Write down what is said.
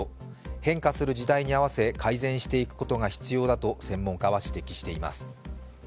変化する時代に合わせ改善していくことが必要だと専門家は指摘しています。